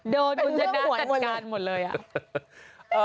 โดนเป็นเรื่องขวดกันหมดเลยอะ